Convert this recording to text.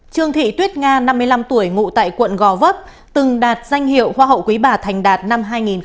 chương thị tuyết nga năm mươi năm tuổi ngụ tại quận gò vấp từng đạt danh hiệu hoa hậu quý bà thành đạt năm hai nghìn chín